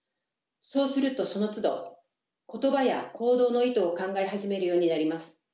そうするとそのつど言葉や行動の意図を考え始めるようになります。